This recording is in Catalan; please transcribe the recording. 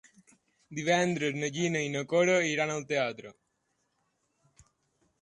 Divendres na Gina i na Cora iran al teatre.